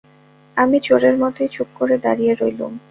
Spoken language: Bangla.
আমি চোরের মতোই চুপ করে দাঁড়িয়ে রইলুম।